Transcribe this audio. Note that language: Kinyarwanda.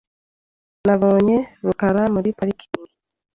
Nabonye rukara muri parikingi .